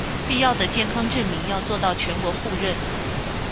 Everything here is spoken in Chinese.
必要的健康证明要做到全国互认